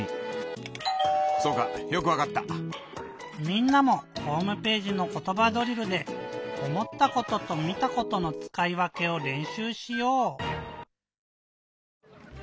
みんなもホームページの「ことばドリル」で「おもったこと」と「見たこと」のつかいわけをれんしゅうしよう。